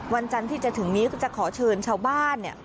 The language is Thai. วันจันทร์ที่จะถึงนี้ก็จะขอเชิญชาวบ้านเนี่ย